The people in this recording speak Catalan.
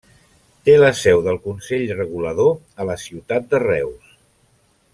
Té la seu del consell regulador a la ciutat de Reus.